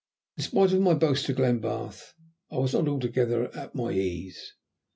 In spite of my boast to Glenbarth I was not altogether at my ease.